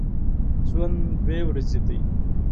ژوند دوې ورځي دی